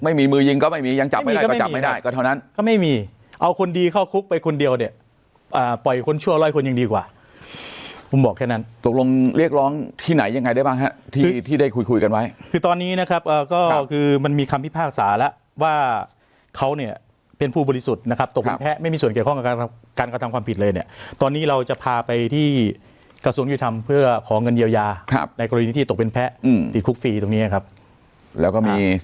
ไม่มีมือยิงก็ไม่มียังจับไม่ได้ก็จับไม่ได้ก็เท่านั้นก็ไม่มีเอาคนดีเข้าคุกไปคนเดียวเนี่ยปล่อยคนชั่วร้อยคนยังดีกว่าผมบอกแค่นั้นตกลงเรียกร้องที่ไหนยังไงได้บ้างที่ได้คุยกันไว้คือตอนนี้นะครับก็คือมันมีคำพิพากษาแล้วว่าเขาเนี่ยเป็นผู้บริสุทธิ์นะครับตกเป็นแพ้ไม่มีส่วนเกี่ยวข